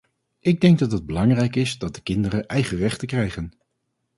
Ik denk dat het belangrijk is dat de kinderen eigen rechten krijgen.